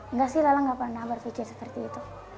enggak sih lala gak pernah berpikir seperti itu